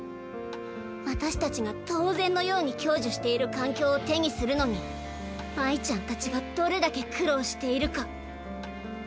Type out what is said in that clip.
私たちが当然のように享受している環境を手にするのに真依ちゃんたちがどれだけ苦労しているか。